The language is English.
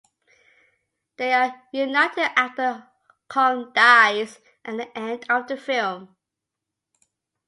They are reunited after Kong dies at the end of the film.